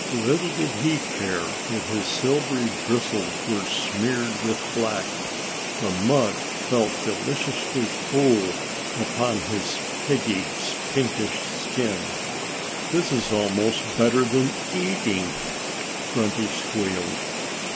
Little did he care that his silvery bristles were smeared with black. The mud felt delightfully cool upon his piggy, pinkish skin. "This is almost better than eating," Grunty squealed.